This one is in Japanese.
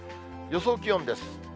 予想気温です。